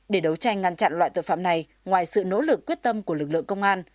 để đấu tranh ngăn chặn loại tội phạm này ngoài sự nỗ lực quyết tâm của lực lượng công an